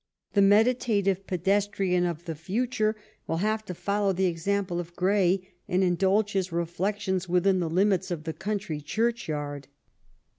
The meditative pedestrian of the future *«* 209 THE REIGN OF QUEEN ANNE will have to follow the example of Gray and indulge his reflections within the limits of the country church yard.